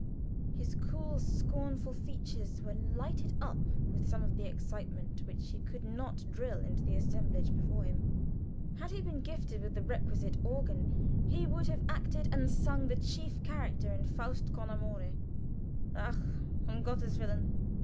His cool, scornful features were lighted up with some of the excitement which he could not drill into the assemblage before him. Had he been gifted with the requisite organ he would have acted and sung the chief character in "Faust" con amore. "_Ach, um Gotteswillen!